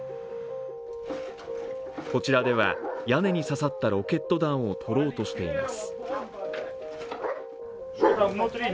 こちらでは屋根に刺さったロケット弾を取ろうとしています。